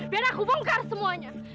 biar aku bongkar semuanya